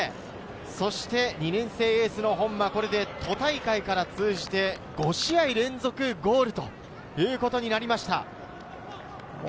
そして２年生エースの本間、これで都大会から通じて５試合連続ゴールとなりました。